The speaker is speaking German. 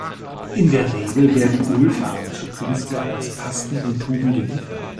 In der Regel werden Ölfarben für Künstler als Pasten in Tuben geliefert.